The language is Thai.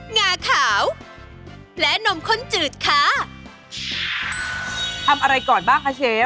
งาขาวและนมข้นจืดค่ะทำอะไรก่อนบ้างคะเชฟ